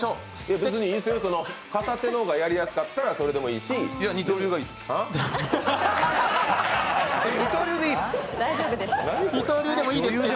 別に片手の方がやりやすかったらそれでもいいしいや、二刀流がいいです。